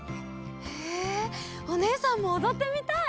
へえおねえさんもおどってみたい！